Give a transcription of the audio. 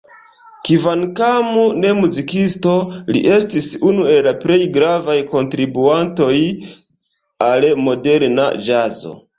Kvankam ne muzikisto, li estis unu el la plej gravaj kontribuantoj al moderna ĵazo.